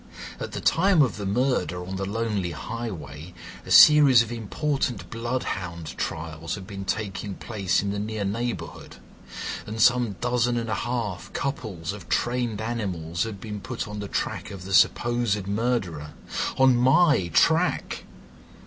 At the time of the murder on the lonely highway a series of important bloodhound trials had been taking place in the near neighbourhood, and some dozen and a half couples of trained animals had been put on the track of the supposed murderer—on my track.